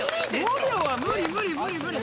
５秒は無理無理無理無理！